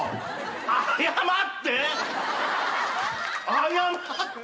謝って。